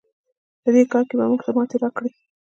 په دې کار کې به موږ ته ماتې راکړئ.